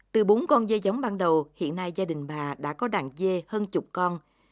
từ bốn con dê giống ban đầu hiện nay gia đình bà đã có đàn dê hơn chục con